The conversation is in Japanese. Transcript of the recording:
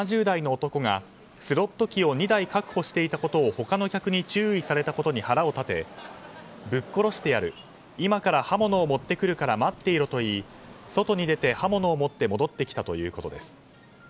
７０代の男がスロット機を２台確保していたことを他の客に注意されたことに腹を立てぶっ殺してやる今から刃物を持ってくるから待っていろと言い外に出て刃物を持って戻ってきたということです。